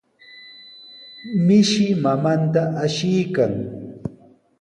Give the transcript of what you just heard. Mishi mamanta ashiykan.